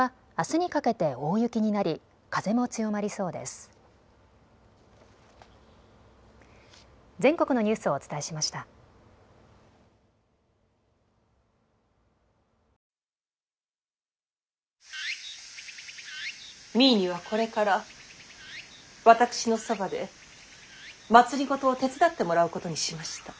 実衣にはこれから私のそばで政を手伝ってもらうことにしました。